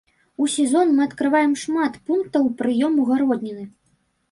У сезон мы адкрываем шмат пунктаў прыёму гародніны.